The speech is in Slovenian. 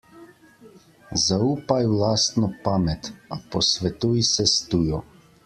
Zaupaj v lastno pamet, a posvetuj se s tujo.